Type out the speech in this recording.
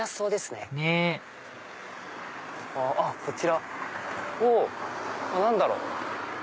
ねぇこちらお何だろう？